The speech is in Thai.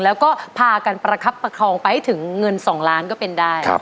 แล้วก็พากันประคับประคองไปให้ถึงเงิน๒ล้านก็เป็นได้